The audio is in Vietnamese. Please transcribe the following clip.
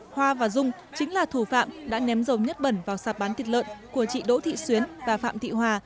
hoa và dung chính là thủ phạm đã ném dầu nhất bẩn vào sạp bán thịt lợn của chị đỗ thị xuyến và phạm thị hòa